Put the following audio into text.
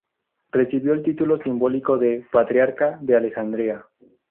Recibió el título simbólico de Patriarca de Alejandría.